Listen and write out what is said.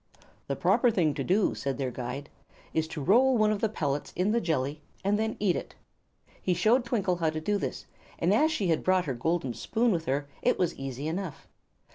"The proper thing to do," said their guide, "is to roll one of the pellets in the jelly, and then eat it." He showed Twinkle how to do this, and as she had brought her golden spoon with her it was easy enough.